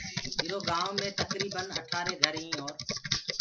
ايٚرو گآئونٚ مي تڪريٚبن اٺآرينٚ گھر هينٚٚ اور